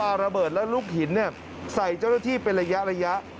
ระเบิดและลูกหินใส่เจ้าหน้าที่เป็นระยะ